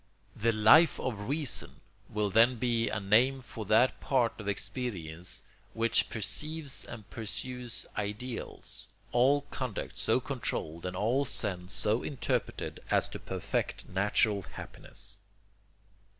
The Life of Reason will then be a name for that part of experience which perceives and pursues ideals—all conduct so controlled and all sense so interpreted as to perfect natural happiness.